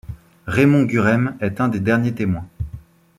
Raymond Gurême est un des derniers témoins.